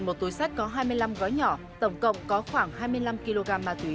một túi sách có hai mươi năm gói nhỏ tổng cộng có khoảng hai mươi năm kg ma túy